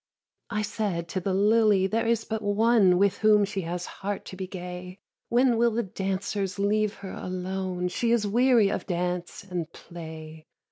4. I said to the lily, 'There is but one With whom she has heart to be gay. When will the dancers leave her alone? She is weary of dance and play.'